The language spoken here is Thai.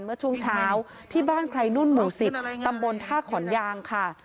เมื่อช่วงเช้าที่บ้านใครนุ่นหมู่๑๐ตำบลท่าขอนยางค่ะ